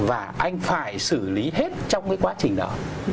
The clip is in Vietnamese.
và anh phải xử lý hết trong cái quá trình đó